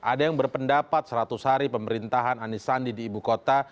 ada yang berpendapat seratus hari pemerintahan anisandi di ibu kota